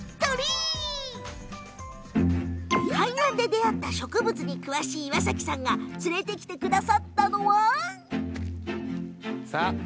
海岸で出会った植物に詳しい岩崎さんが連れてきてくださったのは。